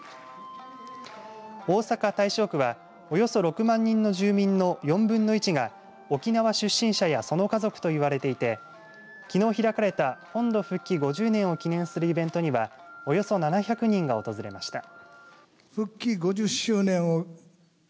大阪・大正区はおよそ６万人の住民の４分の１が沖縄出身者やその家族といわれていてきのう開かれた本土復帰５０年を記念するイベントにはおよそ７００人が訪れました。